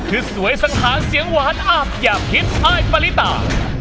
คือสวยสังหารเสียงหวานอาบอย่างทิพย์อายปริตา